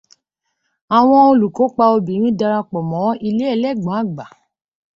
Àwọn olùkópa obìnrin darapọ̀ mọ́ ilé ẹlẹ́gbọ́n àgbà.